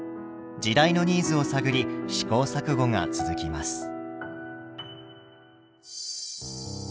時代のニーズを探り試行錯誤が続きます。